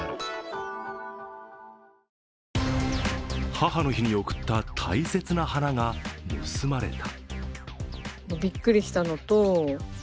母の日に贈った大切な花が盗まれた。